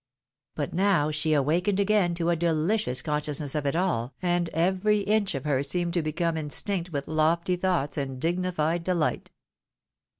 But now she awakened again to a deUcious con sciousness of it all, and every inch of her seemed to become instinct with lofty thoughts, and dignified dehght.